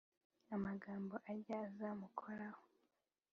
amagambo ajya azamukora ho